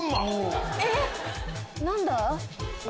えっ何だ？